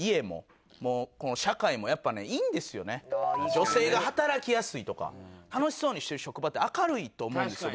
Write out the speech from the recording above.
女性が働きやすいとか楽しそうにしてる職場って明るいと思うんですよ